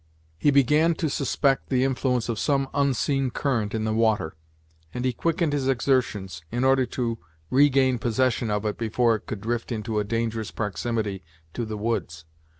He began to suspect the influence of some unseen current in the water, and he quickened his exertions, in order to regain possession of it before it could drift into a dangerous proximity to the woods.